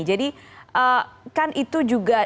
jadi kan itu juga